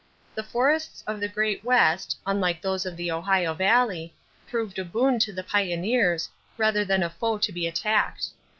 = The forests of the great West, unlike those of the Ohio Valley, proved a boon to the pioneers rather than a foe to be attacked.